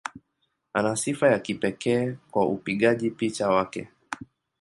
Ana sifa ya kipekee kwa upigaji picha wake.